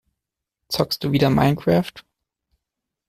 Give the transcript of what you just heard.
Zockst du wieder Minecraft?